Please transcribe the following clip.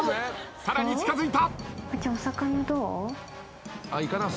さらに近づいた。